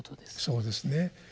そうですね。